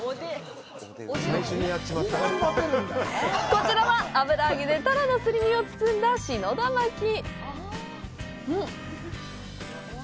こちらは、油揚げでタラのすり身を包んだしのだまき。